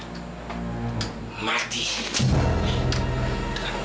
aku akan biarkan dia